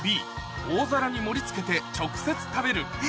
Ｂ「大皿に盛り付けて直接食べる」